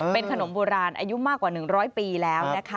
เป็นขนมโบราณอายุมากกว่า๑๐๐ปีแล้วนะคะ